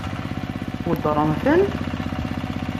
Weddṛen-ten?